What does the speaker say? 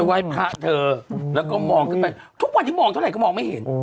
วัยพระเถอร์และก็มองแต่ไปทุกวันที่มองเท่าไหร่ก็มองไม่เห็น